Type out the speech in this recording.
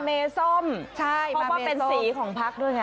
เพราะว่าเป็นสีของพักด้วยไง